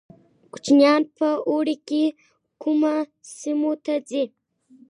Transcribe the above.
کوچیان په اوړي کې کومو سیمو ته ځي؟